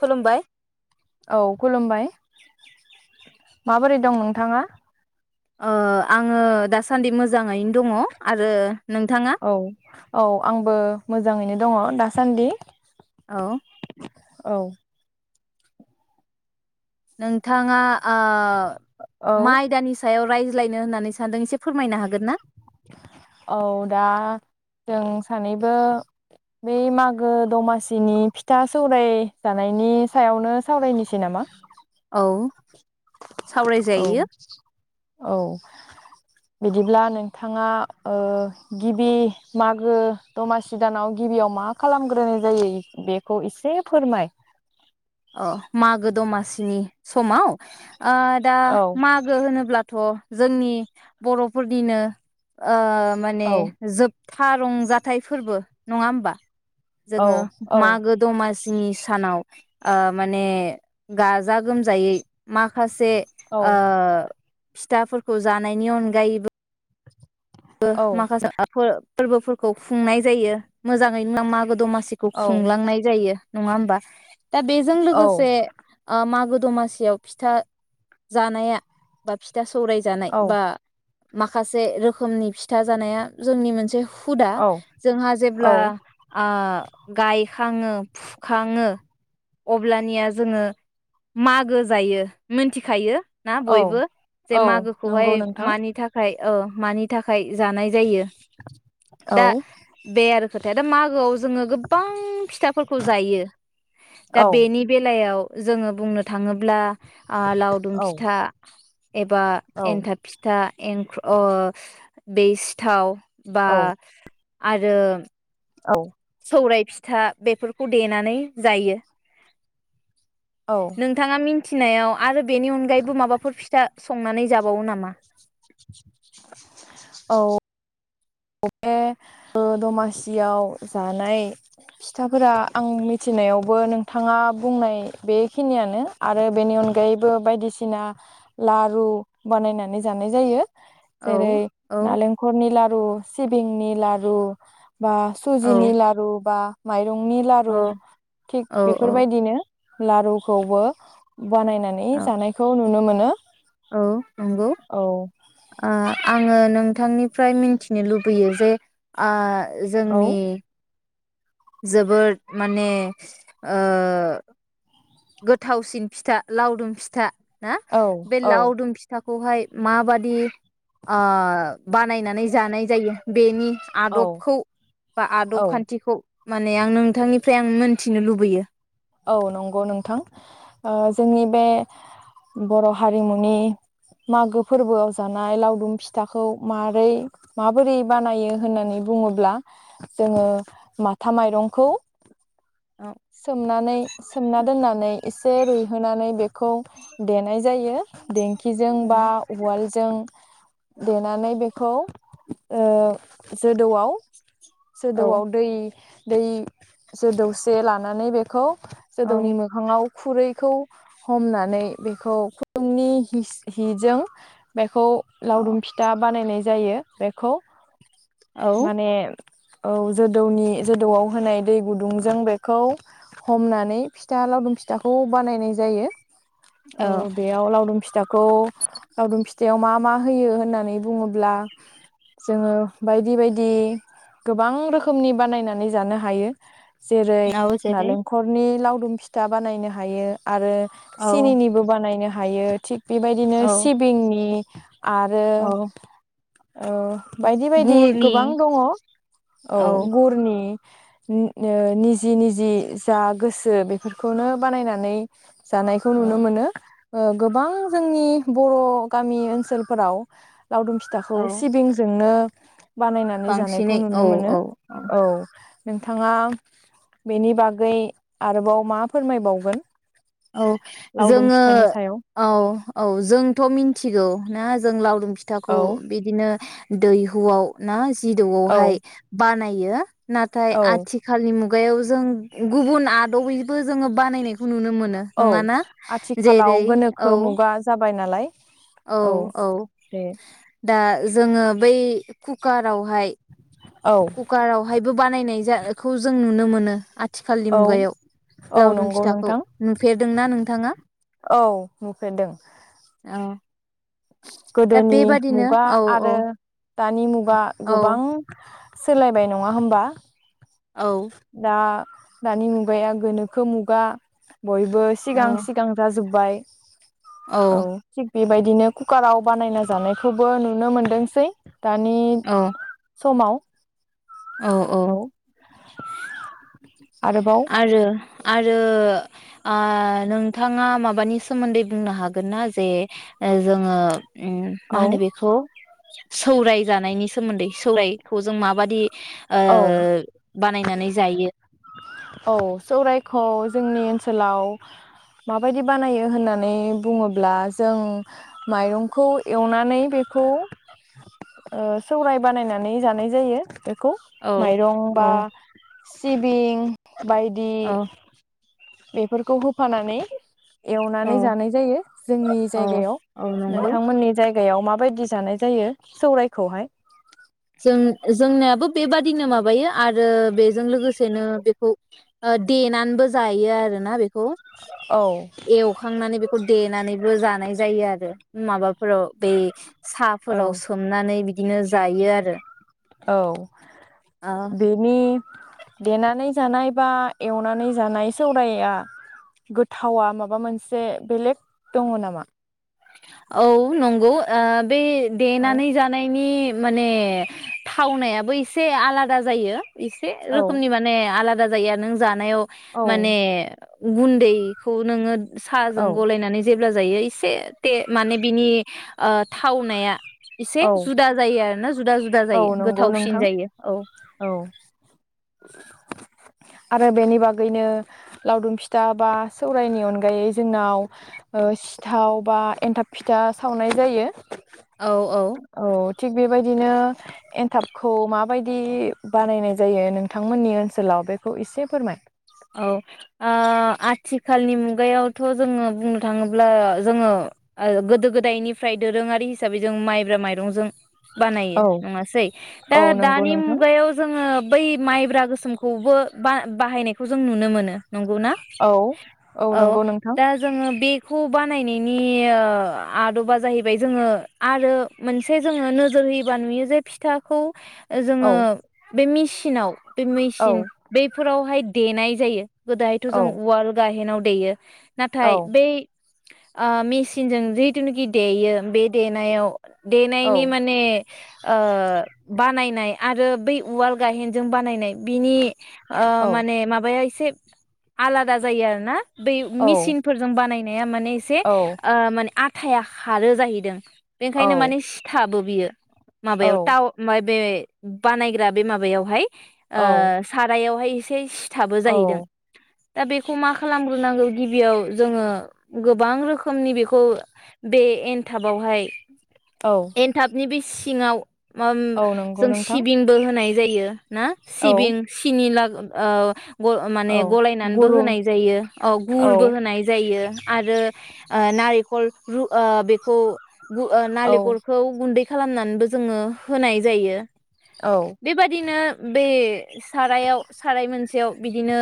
खुलुमबाय औ खुलुमबाय माबोरै दं नोंथाङा? ओ आङो दासान्दि मोजाङैनो दङ आरो नोंथाङा औ औ आंबो मोजाङैनो दङ दासान्दि। औ औ नोंथाङा ओ मा आयदानि सायाव रायज ज्लायनो होननानै सानदों एसे फोरमायनो हागोन ना? औ दा जों सानैबो बै मागो दमासिनि फिथा सौराय जानायनि सायावनो सावरायनोसै नामा? औ औ सावरायजायो औ बिदिब्ला नोंथाङा ओ गिबि मागो दमासि दानाव गिबियाव मा खालामग्रोनाय जायो बेखौ एसे फोरमाय। अ मागो दमा सिनि समाव ओ दा औ मागो होनोब्ला थ' जोंनि बर'फोरनिनो ओ माने औ जोब था रंजाथाइ फोरबो नङा होमबा? औ जोङो औ मागो दमासि सिनि सानाव ओ माने गाजा गोमजायै माखास से औ ओ फिथाफोरखौ जानायनि अनगायैबो बो औ माखासे फोर फोरबोफोरखौ खुंनाय जायो मोजाङै मागो दमास मानसिखौ खुंलांनाय जायो नङा होमबा दा बेजों लोगोसे मागो दमासियाव फिथा जानाया बा फिथा सं सौरायजानाय औ बा माखासे रोखो रोखोमनि फिथा जानाया जोंनि मोनसे हुदा औ जोंहा औ जेब्ला गायखाङो फुखाङो अब्लानिया जोङो मागो जायो मिथिखायो ना औ बयबो जे औ मागोखौहाय नंगौ नोंथां मानि थाखाय औ मानि थाखाय जानाय जायो औ दा बे आरो खोथाया दा मागोआव जोङो गोबां फिथाफोरखौ जायो दा औ बेनि बेलायाव जोङो बुंनो थाङोब्ला ओ लावदुम औ फिथा एबा औ एन्थाब फिथा एंखु अ दै सिथाव बा औ आरो औ। सौराइ फिथा बेफोरखौ देनानै जायो। नोंथाङा मि थिनायाव आरो बेनि अनगायैबो माबाफोर फिथा संनानै जाबावो नामा? औ। बे दमासियाव जानाय फिथाफोरा आं मिथिनायावबो नोंथाङा बुंनाय बेखिनियानो आरो बेनि अनगायैबो बायदिसिना लारु बानायनानै जानाय जायो। औ जेरै औ नालेंखरनि लारु सिबिंनि लारु बा औ सुजिनि लारु बा माइ रंनि लारु औ थिक औ बेफोरबायदिनो लारुखौबो बानायनानै औ जानायखौ नुनो मोनो। हो औ नंगौ आ आं आंङो नोंथांनिफ्राय मिनथिनो लुबैयो जे आ औ जोंनि जोबोद माने ओ गोथावसिन फिथा लावदुम फिथा। हा औ बे औ लाउदुम फिथा खौहाय माबादि ओ बानायनानै जानाय जायो बेनि औ आदबखौ बा औ आदब खान्थिखौ माने आं नोंथांनिफ्राय आं मोनथिनो लुबैयो। औ नंगौ नोंथां ओ जोंनि बे बर' हारिमुनि मागो फोरबोआव जानाय लावदुम फिथाखौ मारै माबोरै बानायो होननानै बुङोब्ला जोंङो माथा माइरंखौ औ नै सोमना दोननानै एसे रुइहोनानै बेखौ देनाय जायो, देंखिजों बा उम उवालजों देनानै बेखौ ओ जोदौआव औ जोदौआव दै दै जोदौसे लानानै बे खौ जोदौनि औ मोखाङाव खुरैखौ हमनानै बेखौ खुन्दुंनि हिस- हिजों बेखौ लावदुम औ फिथा बानायनाय जायो बेखौ औ माने औ जोदौनि जोदौआव होनाय दै गुदुंजों बेखौ हमनानै फिथा लावदुम फिथाखौ बानायनाय जायो। औ बेयाव लावदुम फिथाखौ लावउदुम फिथायाव मा मा होयो होननानै बुङोब्ला जोङो बायदि बायदि गोबां रोखोमनि बानायनानै जानो हायो। जे औ जेरै नालेंखरनि लावदुम फिथा बानायनो हायो। आरो औ सिनिनिबो बानायनो हायो थिग बेबायदिनो औ सिबिंनि आरो औ औ बायदि बायदि गुरनि गोबां दङ। औ गुरनि नो ओ निज जि निजि जा गोसो बेफोरखौनो बानायनानै जानायखौ नुनो औ मोनो। ओ गोबां जोंनि बर' गामि ओनसोलफोराव लावदुम फिथाखौ औ सिबिंजोंनो बानायनानै जानायखौ बांसिनै औ नुनो मोनो औ औ। नोंथाङा बेनि बागै आरोबाव मा फोरमायबावगोन? औ लावदुम जोङो फिथानि सायाव औ औ जोंथ मिथिगौ ना जों लावदुम फिथाखौ औ बिदिनो दैहुआव ना? जिदौआवहाय औ बानाय यो- नाथाय औ आथिखालनि मुगायाव जों गुबुन आदबैबो जोङो बानायनायखौ नुनो मोन नङा औ ना। आथिखालाव जेरै औ गोनोखो मुगा जाबाय नालाय औ औ। दे दा जोङो बै कुकारावहाय औ कुकार आवहायबो बानायनायबो जाखौ जों नुनो मो नो आ थिखालनि औ मुगायाव। औ लावदुम नंगौ फिथाखौ। नोंथां नुफेरदोंना नोंथाङा? औ नुफेरदों औ। दा गोदोनि बेबादिनो मुगा औ आरो दानि मुगा औ गोबां सोलायबाय नङा होमबा? औ दा दानि मुगाया गोनोखो मुगा बयबो औ सिगां सिगां जाजोब्बाय। [unintelligible] औ थिक बेबायदिनो कुकाराव बानायना जानायखौबो नुनो मोनदोंसै। दानि औ समाव। औ औ आरोबाव आरो आरो आ नों थाङा माबानि सोमोन्दै बुंनो हागोन ना जे ओ जोङो उम मा औ होनो बेखौ सौराय जानायनि सोमोन्दै सौरायखौ जों माबादि औ ओ बानायनानै जायो? खौ जोंनि ओनसोलाव माबायदि बानायो होननानै बुङोब्ला जों माइरंखौ एवनानै बेखौ ओ सौराय बानायनानै जानाय जायो बेखौ। औ माइरं बा औ सिबिं बायदि औ बेफोरखौ होफानानै एवनानै औ जानाय जायो जोंनि औ जायगायाव। औ नंगौ नोंथांमोननि जाय गायाव माबायदि जानाय जायो सौरायखौहाय? जों-जोंनियाबो बेबादिनो माबायो आरो बेजों लोगोसेनो बेखौ ओ देनानैबो जायो आरोना बेखौ। औ एवखांनानै बे खौ देनानैबो जानाय जायो आरो माबाफोराव बे औ साफोराव सोमनानै बिदिनो जायो आरो औ ओ बेनि देनानै जानाय बा एवनानै जानाय सौरायआ गोथावा माबा मोनसे बेलेग दङ' नामा? औ नंगौ ओ बे औ देनानै जानायनि माने थावनायाबो एसे आलादा जायो। एसे औ रोखोमनि माने आलादा जायो नों जा नायाव औ माने गुन्दैखौ नोङो साहजों औ गलायनानै जे ब्ला जायो एसे से माने बिनि ओ थावनाया एसे औ जुदा जायो आरो ना जुदा-जुदा औ जायो नंगौ गोथावसिन नोंथां जायो औ औ आरो बेनि बागैनो लावदुम फिथा बा सौरायनि अनगायै जोंनाव सिथाव बा एन्थाब फिथा सावनाय जायो। औ औ औ थिग बेबायदिनो एनथाबखौ माबायदि बानायनाय जायो नोंथांमोननि ओनसोलाव बेखौ एसे फोरमाय? औ ओ आथिखालनि मुगायावथ' जोङो बुंनो थाङोब्ला जोङो गोदो गोदायनिफ्राय दोरोङारि हिसाबै जों माइब्रा माइरंजों बानायो औ नङासै दा औ नंगौ दानि नोंथां मुगायाव जोङो बै माइब्रा गोसोम खौबो बा-बाहायनाय खौ जों नुनो मोनो। नंगौ ना औ औ नंगौ नोंथां दा जोङो बे खौ बानायनायनि ओ आदबा जाहैबाय जोङो आरो मोनसे जोङो नोजोर होयोबा नुयो जे फिथाखौ। जोङो। औ बे मेसिनाव। बे औ मेसिन बैफोरावहाय। देनाय जायो। गोदोहायथ' औ जों उवाल गायहेनाव देयो। औ नाथाय बे आं मेसिनजों जिहेथुनाखि देयो बे देनायाव। औ देनायनि माने आ बानायनाय। आरो बै उवाल गाहेनजों बानायनाय बिनि ओ औ माने। ऐ सेब आलादा जायो आरो ना बै औ मिसिनफोरजों बानायनाया माने एसे औ ओ माने आ थाया खारो जाहैदों। बेनिखायनो औ माने सिथाबो बियो। माबायाव थाव माय बे बानायग्रा बे माबायावहाय। ओ औ सारायाव। एसे थाबो जाहैदों औ दा बेखौ मा खालामग्रोनांगौ गिबियाव। जोङो गोबां रोखोमनि बेखौ बे एनथाबावहाय। औ एनथाबनि बिस सिङाव। ओम औ जों नंगौ नोंथां सिबिंबो होनाय जायो। ना औ सिबिं सिनि ला औ ग माने औ गलायनानैबो गुरु होनाय जायो औ गुरबो होनाय जायो आरो। ओ नारिखल रु ओ बेखौ। गु ओ औ नालेखलखौ गुन्दै। खालामनानबो जोङो। होनाय जायो औ बेबादिनो बे सारायाव साराय मोन [unintelligible] बिदिनो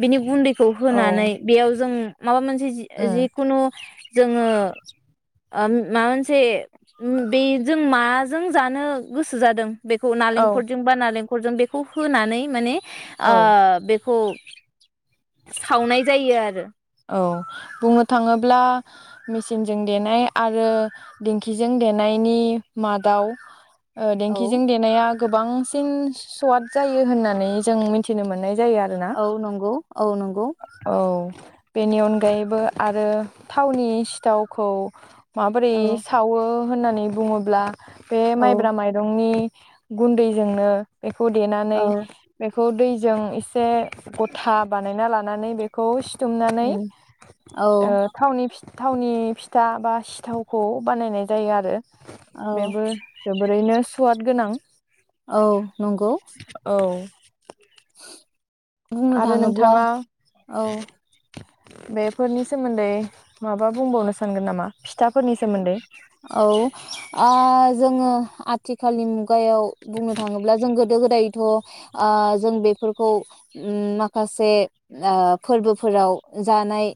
बिनि गुन्दैखौ औ होनानै बेयाव जों माबा मोनसे जि उम जिखुनु जोङो ओम [unintelligible] से बे जों मास जों जानो गोसो जादों बेखौ औ नालेंखरजों बा नालेंखरजों बे [unintelligible] होनानै माने औ आ खौ सावनाय जायो आरो औ बुंनो थाङोब्ला मिचिनजों देनाय आरो दिंखिजों देनायनि मादाव ओ औ देंखिजों देनाया गोबांसिन सवाद जायो होननानै जों मिथिनो मोननाय जायो आरोना औ नंगौ औ नंगौ औ बेनि अनगायैबो आरो थावनि सिथावखौ माबोरै औ सावो होननानै बुङोब्ला बे औ माइब्रा माइरंनि गुन्दैजोंनो बेखौ देनानै औ बे बेखौ दैजों एसे गथा बानायना लानानै बेखौ सिथुमनानै ओम औ ओ थावनि थावनि फिथा बा सिथावखौ बानायनाय जायो आरो औ बेबो जोबोरैनो सुवाद गोनां औ नंगौ औ बुंनो आरो थाङोब्ला नोंथाङा औ बेफोरनि सोमोन्दै माबा बुंबावनो सानगोन नामा फिथाफोरनि सोमोन्दै औ जोङो आथिखालनि [unintelligible] [unintelligible] बुंनो थाङोब्ला जों [unintelligible] गोदो गोदायथ' ओ जों बेफोरखौओम माखासे फोरबोफोराव जानाय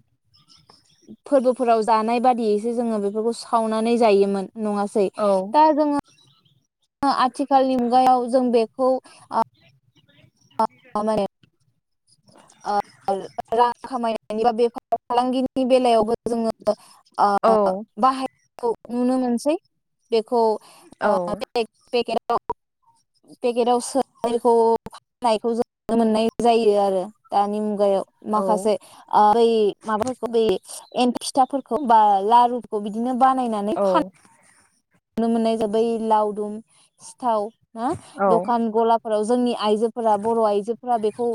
फोरबोफोराव जानाय बादियैसो जोङो बेफोरखौ सावनानै जायोमोन नङासै औ दा जोङो आथिखालनि मुगायाव जों बेखौ ओ [unintelligible] आ [inaudible] रां खा खामाय [inaudible] नि बा फालांगिनि बेलायाव जोंओ ओ औ बाहाय खौ नुनो मोनसै बेखौ [inaudible] पेकेटाव सोनायखौ फाननायखौ जों नुनो मोननाय जायो आरो दानि मुगायाव औ माखासे ओ बै माबाफोर बै एन फिथाफोरखौ बा लारुखौ बिदिनो बानायनानै औ फान नुनो मोननाय जाबाय लावदुम थाव हो दखान गला फोराव जोंनि आइजोफोरा बर आइजोफोरा बेखौ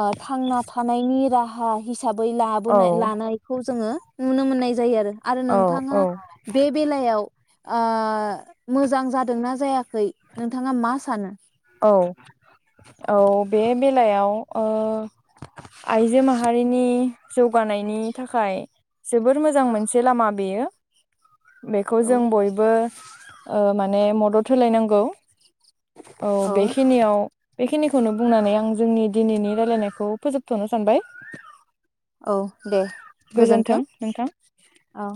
ओ थांना थानायनि राह हा हिसा हिसाबै औ लाबोनाय लानायखौ जोङो नुनो मोननाय जायो आरो आरो औ नोंथाङा बे बेलायाव आ मोजां जादोंना जायाखै नोंथाङा मा सानो? औ औ बे बेलायाव ओ आइजो माहारिनि जौगानायनि थाखाय जोबोर मोजां मोनसे लामा बेयो बेखौ औ जों बयबो ओ माने मदद होलायनांगौ औ बेखिनियाव बेखिनिखौनो बुंनानै आं जोंनि दिनैनि रायलायनायखौ फोजोबथनो सानबाय औ दे गोजोनथों गोजोन्थों नोंथां। औ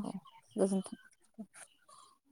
गोजोनथों [inaudible]